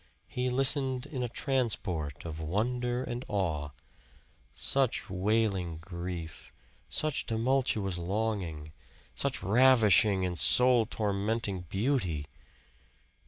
He listened in a transport of wonder and awe. Such wailing grief, such tumultuous longing, such ravishing and soul tormenting beauty!